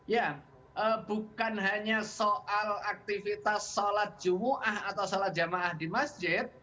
ya bukan hanya soal aktivitas sholat jumu'ah atau sholat jamaah di masjid